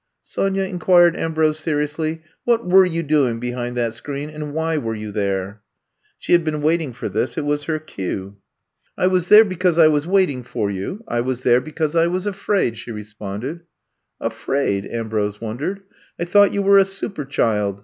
''Sonya," inquired Ambrose seriously, what were you doing behind that screen and why were you there f '' She had been waiting for this ; it was her cue. 48 I'VECOME TO STAY I was there because I was waiting for you. I was there because 1 was afraid,'* she responded. Afraid?" Ambrose wondered. I thought you were a super child.